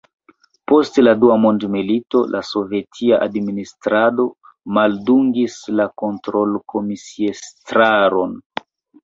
Post la Dua mondmilito la sovetia administrado maldungis la kontrolkomisiestraron.